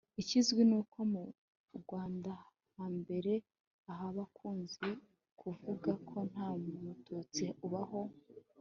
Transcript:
ikizwi ni uko mu rwandahambere aha bakunze kuvuga ko nta mututsi ubaho